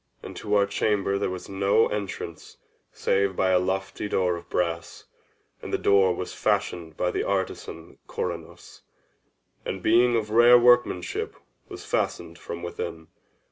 And to our chamber there was no entrance save by a lofty door of brass: and the door was fashioned by the artisan Corinnos, and, being of rare workmanship, was fastened from within.